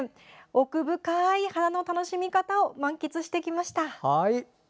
奥深い花の楽しみ方を満喫してきました。